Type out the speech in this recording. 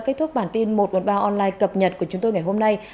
các tỉnh nam bộ trong hai ngày tới trời nhiều mây